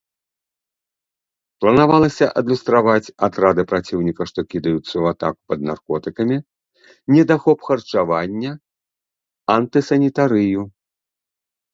Планавалася адлюстраваць атрады праціўніка, што кідаюцца ў атаку пад наркотыкамі, недахоп харчавання, антысанітарыю.